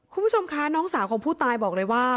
คุณผู้ชมคะน้องสาวของผู้ตายบอกเลยว่า